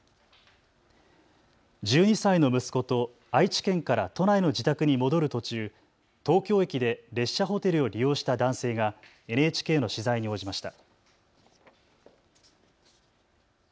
１２歳の息子と愛知県から都内の自宅に戻る途中、東京駅で列車ホテルを利用した男性がＮＨＫの取材に応じました。